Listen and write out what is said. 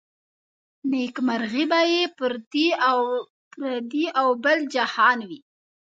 نيکمرغي به يې پر دې او بل جهان وي